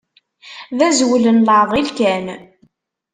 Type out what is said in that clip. D azwel n leɛḍil kan.